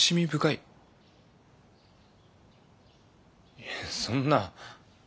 いえそんな。